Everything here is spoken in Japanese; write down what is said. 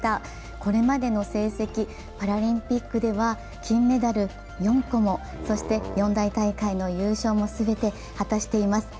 これまでの成績、パラリンピックでは金メダル４個もそして四大大会の優勝も全て果たしています。